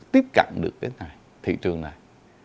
tiếp cận được thị trường này